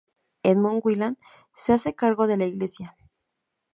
Edmundo Whelan se hace cargo de la Iglesia.